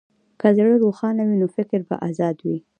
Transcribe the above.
که زړه روښانه وي، نو فکر به ازاد وي.